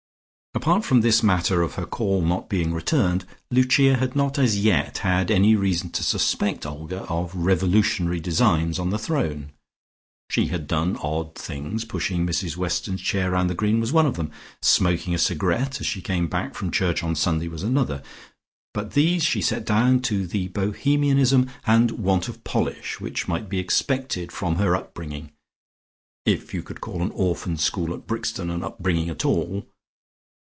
Apart from this matter of her call not being returned, Lucia had not as yet had any reason to suspect Olga of revolutionary designs on the throne. She had done odd things, pushing Mrs Weston's chair round the green was one of them, smoking a cigarette as she came back from church on Sunday was another, but these she set down to the Bohemianism and want of polish which might be expected from her upbringing, if you could call an orphan school at Brixton an upbringing at all.